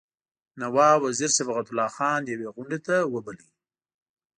نواب وزیر صبغت الله خان یوې غونډې ته وباله.